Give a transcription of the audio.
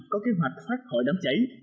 năm có kế hoạch phát khỏi đám cháy